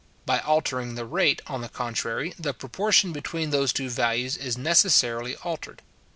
By altering the rate, on the contrary, the proportion between those two values is necessarily altered.